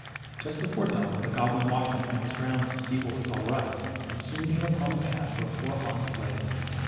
Just before dawn the goblin watchman went his rounds to see that all was right, and soon came upon the path where poor Hans lay.